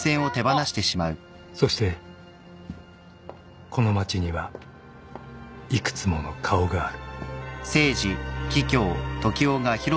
［そしてこの街には幾つもの顔がある］